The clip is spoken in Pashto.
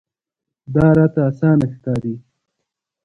دا راته اسانه ښکاري.